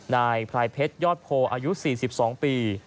นายพรายเพชรยอดโพอายุ๔๒ปี